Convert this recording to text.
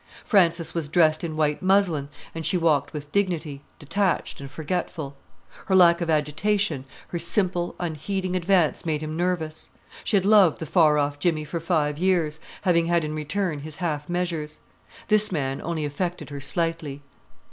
Frances was dressed in white muslin, and she walked with dignity, detached and forgetful. Her lack of agitation, her simple, unheeding advance made him nervous. She had loved the far off Jimmy for five years, having had in return his half measures. This man only affected her slightly.